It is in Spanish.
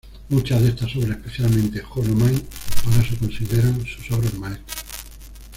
Muchas de estas obras, especialmente "Jo-no-mai", ahora se consideran sus obras maestras.